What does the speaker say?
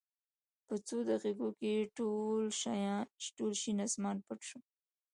په څو دقېقو کې ټول شین اسمان پټ شو.